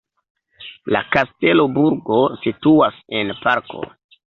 La kastelo-burgo situas en parko.